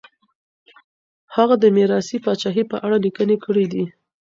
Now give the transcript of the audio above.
هغه د ميراثي پاچاهۍ په اړه ليکنې کړي دي.